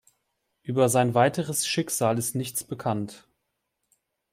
Über sein weiteres Schicksal ist nichts bekannt.